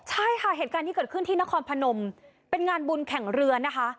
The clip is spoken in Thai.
ใช่ค่ะเหตุการณ์ที่เกิดขึ้นที่นครพนมเป็นงานบุญแข่งเรือนะคะ